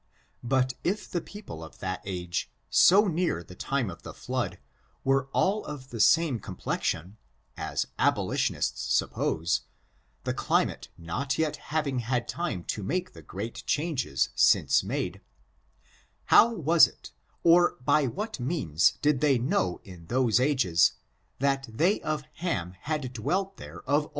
But if the people of that age, so near the time of the flood, were all of the same complexion, as abolitionists suppose, the climate not yet having had time to make the great changes since made, how was it, or by what means did they know in those ages, that they of Ham had dwelt there of oW?